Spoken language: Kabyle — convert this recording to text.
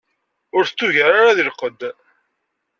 Ur t-tugar ara di lqedd.